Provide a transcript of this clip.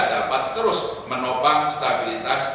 dapat terus menopang stabilitas